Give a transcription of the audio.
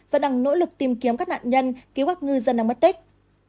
và đang nỗ lực tìm kiếm các nạn nhân cứu các ngư dân đang mất tích